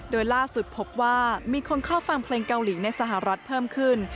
โดยล่าสุดพบว่ามีคนเข้าฟังเพลงเกาหลีในสหรัฐเพิ่มขึ้น